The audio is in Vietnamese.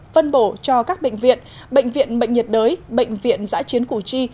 phân bổ cho các bệnh viện bệnh viện bệnh nhiệt đới bệnh viện giãi chiến củ chi